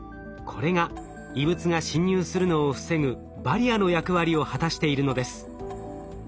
これが異物が侵入するのを防ぐバリアの役割を果たしているのです。